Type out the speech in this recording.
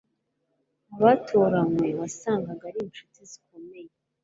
abatoranywe wasangaga ari inshuti zikomeye